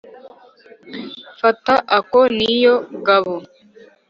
Fata ako ni yo gabo.